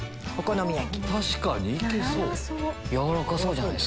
確かに行けそう。